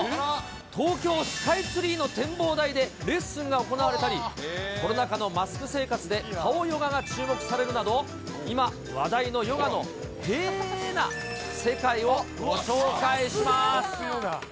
東京スカイツリーの展望台でレッスンが行われたり、コロナ禍のマスク生活で、顔ヨガが注目されるなど、今、話題のヨガのへえーな世界をご紹介します。